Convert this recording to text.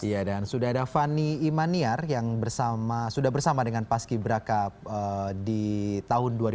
ya dan sudah ada fani imaniar yang sudah bersama dengan paski braka di tahun dua ribu tujuh belas ini